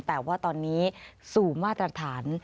แต่ว่าตอนนี้สู่มาตรฐาน